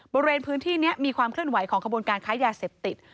บริเวณพื้นที่นี้มีความเคลื่อนไหวของขบวนการค้ายาเสพติด